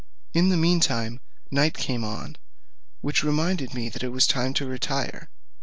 In the mean time night came on, which reminded me that it was time to retire.